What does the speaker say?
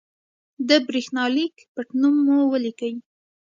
د برېښنالېک پټنوم مو ولیکئ.